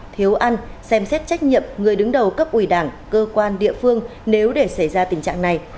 thiếu ăn xem xét trách nhiệm người đứng đầu cấp ủy đảng cơ quan địa phương nếu để xảy ra tình trạng này